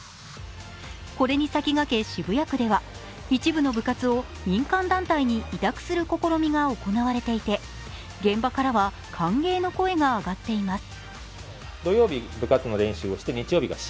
これに先駆け、渋谷区では一部の部活を民間団体に委託する試みが行われていて現場からは歓迎の声が上がっています。